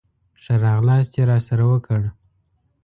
ښه راغلاست یې راسره وکړ.